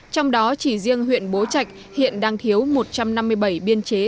trong đó chỉ riêng huyện bố trạch hiện đang thiếu một trăm năm mươi bảy biên chế